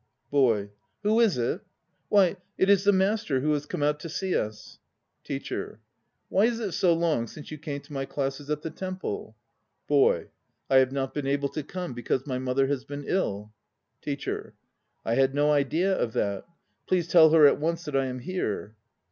BOY. Who is it? Why, it is the Master who has come out to see us! TEACHER. Why is it so long since you came to my classes at the temple? BOY. I have not been able to come because my mother has been ill. TEACHER. I had no idea of that. Please tell her at once that I am here.